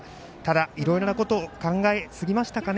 ただ、いろいろなことを考えすぎましたかね。